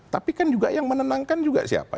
tapi kan juga yang menenangkan juga siapa